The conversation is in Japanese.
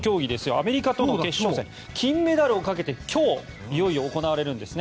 アメリカとの決勝戦金メダルをかけて今日いよいよ行われるんですね。